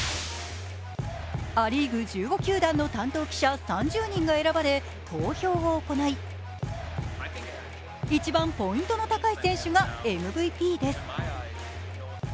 ア・リーグ１５球団の担当記者３０人が選ばれ投票を行い一番ポイントの高い選手がＭＶＰです。